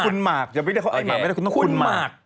คุณมากเขาเป็นตัวเหงื่อคุณมาก